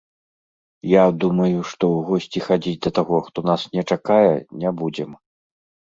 Я думаю, што ў госці хадзіць да таго, хто нас не чакае, не будзем.